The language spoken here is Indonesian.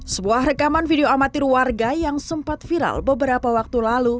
sebuah rekaman video amatir warga yang sempat viral beberapa waktu lalu